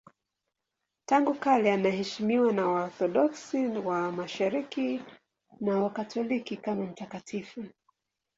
Tangu kale anaheshimiwa na Waorthodoksi wa Mashariki na Wakatoliki kama mtakatifu.